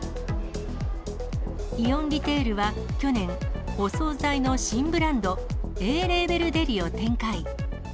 イオンリテールは去年、お総菜の新ブランド、エー・レーベルデリを展開。